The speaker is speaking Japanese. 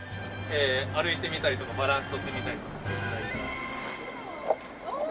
歩いてみたりとかバランス取ってみたりとかして頂いたら。